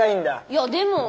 いやでもォ。